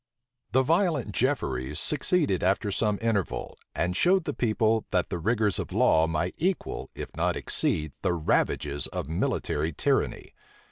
The violent Jefferies succeeded after some interval; and showed the people, that the rigors of law might equal, if not exceed, the ravages of military tyranny.